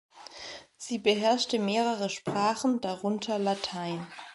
Sie beherrschte mehrere Sprachen, darunter Latein.